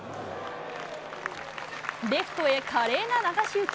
レフトへ、華麗な流し打ち。